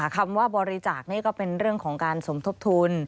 คำว่าบริจาคนี่ก็เป็นเรื่องของการสมทบทุน